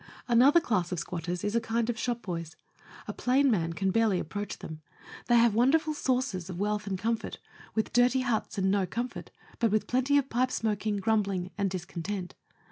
Another class of squatters is a kind of shop boys. A plain man can barely approach them. They have wonderful sources of wealth and comfort, with dirty huts and no comfort, but with plenty of pipe smoking, grumbling, and discontent.